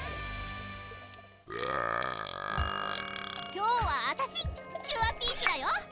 今日はあたしキュアピーチだよ！